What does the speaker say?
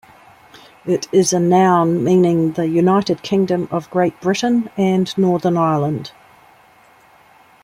It is a noun meaning "the United Kingdom of Great Britain and Northern Ireland".